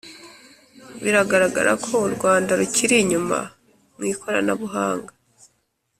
biragaragara ko u Rwanda rukiri inyuma mu ikoranabuhanga